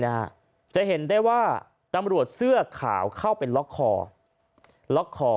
นะฮะจะเห็นได้ว่าตำรวจเสื้อขาวเข้าไปล็อกคอล็อกคอ